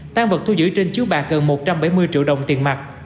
tan vật thu giữ trên chiếu bạc gần một trăm bảy mươi triệu đồng tiền mặt